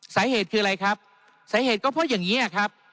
สาเหตุคืออะไรครับสาเหตุก็เพราะอย่างนี้ครับ